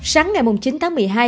sáng ngày chín tháng một mươi hai